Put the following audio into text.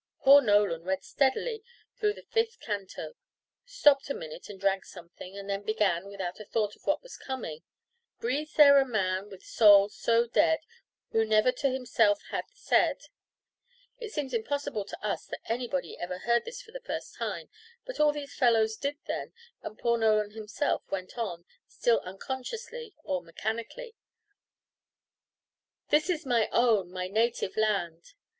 Poor Nolan read steadily through the fifth canto, stopped a minute and drank something, and then began, without a thought of what was coming: "Breathes there the man, with soul so dead, Who never to himself hath said," It seems impossible to us that anybody ever heard this for the first time; but all these fellows did then, and poor Nolan himself went on, still unconsciously or mechanically "This is my own, my native land!"